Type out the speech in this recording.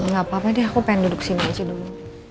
gapapa deh aku pengen duduk sini aja dulu